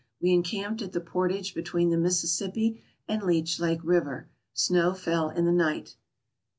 We encamped at the portage between the Mississippi and Leech Lake River. Snow fell in the night.